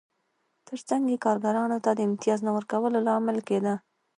ترڅنګ یې کارګرانو ته د امتیاز نه ورکولو لامل کېده